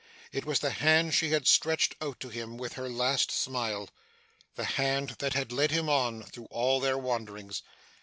It was the hand she had stretched out to him with her last smile the hand that had led him on, through all their wanderings.